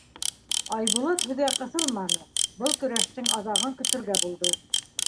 Айбулат һүҙгә ҡыҫылманы, был көрәштең аҙағын көтөргә булды.